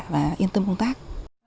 và yên tâm công tác